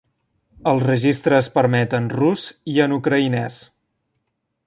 El registre es permet en rus i en ucraïnès.